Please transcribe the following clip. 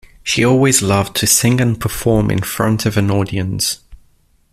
She always loved to sing and perform in front of an audience.